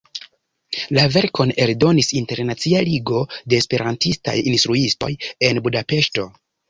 La verkon eldonis Internacia Ligo de Esperantistaj Instruistoj en Budapeŝto.